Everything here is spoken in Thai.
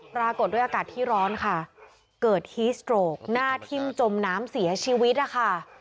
ปรากฏด้วยอากาศที่ร้อนค่ะเกิดฮีสโตรกหน้าทิ่มจมน้ำเสียชีวิตนะคะ